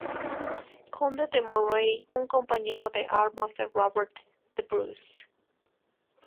Conde de Moray, un compañero de armas de Robert the Bruce.